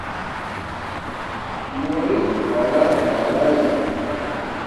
Mo rǝkki farah gah gelale.